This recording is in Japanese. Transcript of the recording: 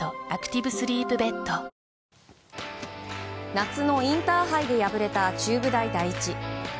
夏のインターハイで敗れた中部大第一。